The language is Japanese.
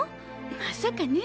まさかねぇ。